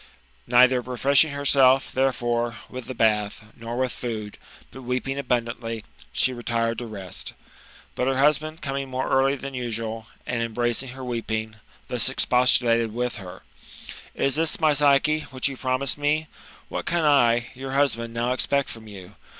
Neither refreshing herself, therefore, with the bath, nor with food, but weeping abundantly, she retired to rest. But her husband coming more early than usual, and embracing her weeping, thus expostulated with her :" Is this, my Psyche, what you promised me ? What can I, )rour husband, now expect from you